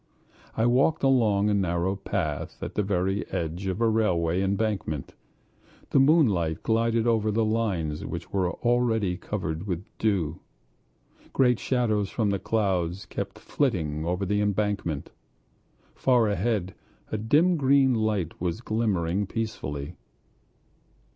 I walked along a narrow path at the very edge of a railway embankment. The moonlight glided over the lines which were already covered with dew. Great shadows from the clouds kept flitting over the embankment. Far ahead, a dim green light was glimmering peacefully.